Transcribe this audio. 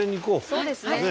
そうですね。